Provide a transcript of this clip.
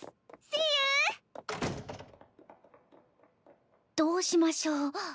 バタンどうしましょう？